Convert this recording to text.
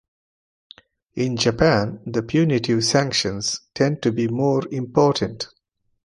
In Japan the punitive sanctions tend to be more important.